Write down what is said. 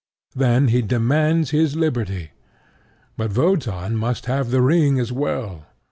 Then he demands his liberty; but Wotan must have the ring as well.